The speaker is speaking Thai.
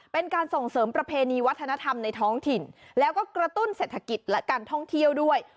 เป็นการส่งเสริมประเพณีวัฒนธรรมในท้องถิ่นแล้วก็กระตุ้นเศรษฐกิจและการท่องเที่ยวด้วย